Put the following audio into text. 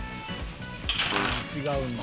「違うんだ」